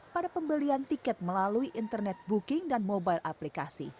pada pembelian tiket melalui internet booking dan mobile aplikasi